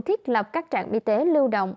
thiết lập các trạm y tế lưu động